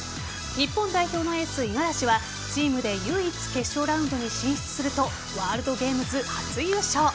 日本代表のエース・五十嵐はチームで唯一決勝ラウンドに進出するとワールドゲームズ初優勝。